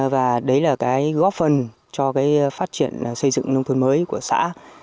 và đấy là góp phần cho phát triển xây dựng nông thuần mới của xã